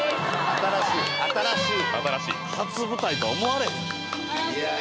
新しい新しい初舞台とは思われへんいや